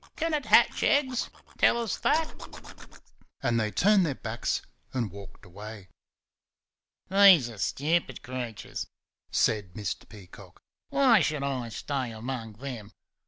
Can it hatch eggs? Tell us that!" and they turned their backs and walked away. "These are stupid creatures!" said Mr. Peacock. "Why should I stay among them?